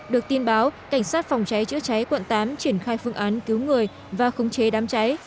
được tin báo cảnh sát phòng cháy chữa cháy quận tám triển khai phương án cứu người và khống chế đám cháy